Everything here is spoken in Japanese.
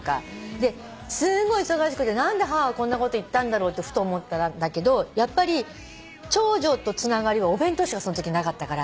ですんごい忙しくて何で母はこんなこと言ったんだろうってふと思ったんだけどやっぱり長女とつながりはお弁当しかそのときなかったから。